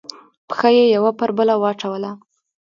پښه یې یوه پر بله واچوله.